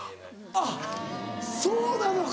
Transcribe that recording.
あっそうなのか。